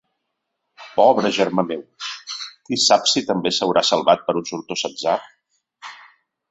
Pobre germà meu! Qui sap si també s’haurà salvat per un sortós atzar?